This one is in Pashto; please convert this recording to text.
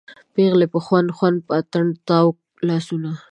پیغلې په خوند خوند په اتڼ کې تاووي لاسونه